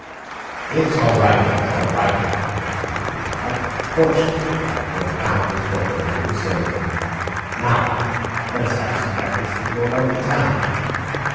"It's all right, it's all right," my uncle repeated. "How fortunate we are to have found this boat ready for sailing. Now let us have some breakfast and go about the town."